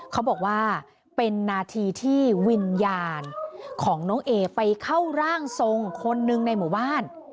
เขาบอกว่าเป็นนาทีที่วิญญาณของน้องเอไปเข้าร่างทรงคนหนึ่งในหมู่บ้าน